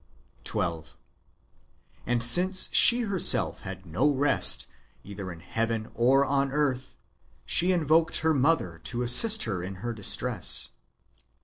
12. And since she herself had no rest either in heaven or on earth, she invoked her mother to assist her in her distress.